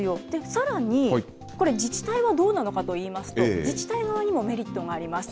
さらに、これ、自治体もどうなのかといいますと、自治体側にもメリットがあります。